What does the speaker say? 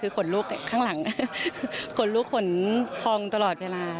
คือขนลุกข้างหลังขนลุกขนพองตลอดเวลา